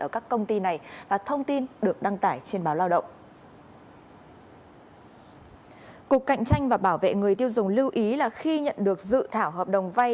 cục cạnh tranh và bảo vệ người tiêu dùng lưu ý là khi nhận được dự thảo hợp đồng vay